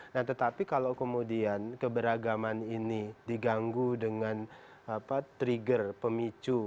nah tetapi kalau kemudian keberagaman ini diganggu dengan trigger pemicu